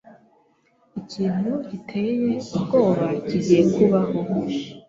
Ikintu giteye ubwoba kigiye kubaho.